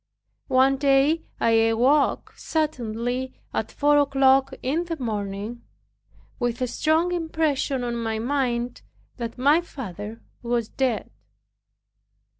One day I awoke suddenly at four o'clock in the morning, with a strong impression on my mind that my father was dead.